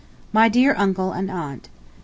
MY DEAR UNCLE AND AUNT: .